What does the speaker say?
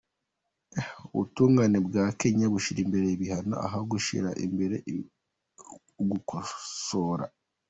Ubutungane bwa Kenya bushira imbere ibihano, ha gushira imbere ugukosora .